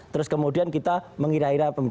terus kemudian kita mengira ira